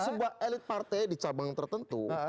sebuah elit partai di cabang tertentu